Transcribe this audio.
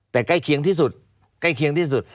แต่ใกล้เคียงที่สุด